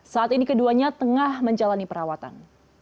saat ini keduanya tengah menjalani perawatan